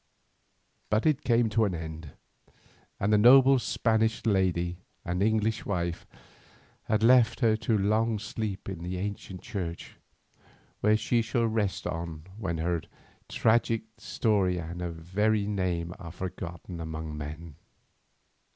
But it came to an end, and the noble Spanish lady and English wife was left to her long sleep in the ancient church, where she shall rest on when her tragic story and her very name are forgotten among men.